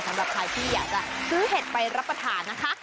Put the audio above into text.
สำหรับใครที่อยากจะซื้อเห็ดไปรับประทานนะคะ